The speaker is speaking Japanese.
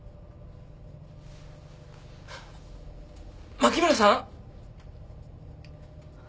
牧村さん？